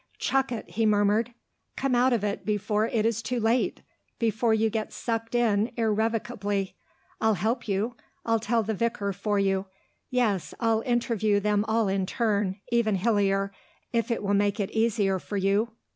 "Chuck it," he murmured. "Come out of it before it is too late, before you get sucked in irrevocably. I'll help you; I'll tell the vicar for you; yes, I'll interview them all in turn, even Hillier, if it will make it easier for you.